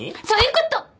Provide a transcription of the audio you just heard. そういうこと！